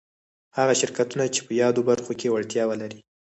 هغه شرکتونه چي په يادو برخو کي وړتيا ولري